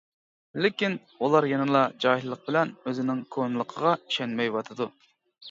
لېكىن، ئۇلار يەنىلا جاھىللىق بىلەن ئۆزىنىڭ كونىلىقىغا ئىشەنمەيۋاتىدۇ.